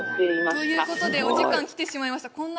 ということでお時間来てしまいました。